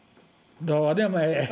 どうでもええ。